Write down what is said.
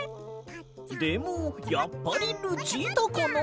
「でもやっぱりルチータかな」。